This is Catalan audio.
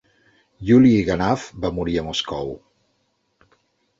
Yuliy Ganf va morir a Moscou.